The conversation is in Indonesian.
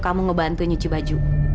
kamu ngebantuin nici baju